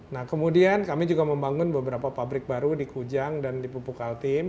nah kemudian kami juga membangun beberapa pabrik baru di kujang dan di pupuk altim